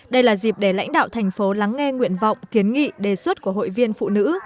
đây là dịp để lãnh đạo thành phố lắng nghe nguyện vọng kiến nghị đề xuất của hội viên phụ nữ